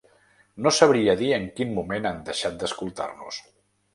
No sabria dir en quin moment han deixat d’escoltar-nos.